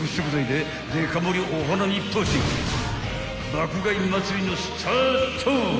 ［爆買い祭りのスタート］